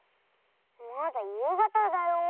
まだゆうがただよ。